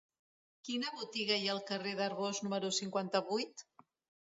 Quina botiga hi ha al carrer d'Arbós número cinquanta-vuit?